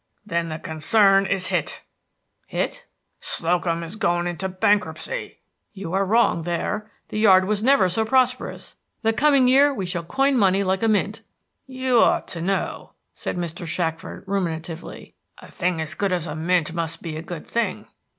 "Then the concern is hit." "Hit?" "Slocum is going into bankruptcy." "You are wrong there. The yard was never so prosperous; the coming year we shall coin money like a mint." "You ought to know," said Mr. Shackford, ruminatively. "A thing as good as a mint must be a good thing."